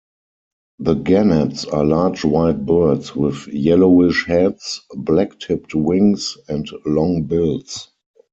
The gannets are large white birds with yellowish heads; black-tipped wings; and long bills.